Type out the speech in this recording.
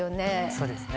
そうですね。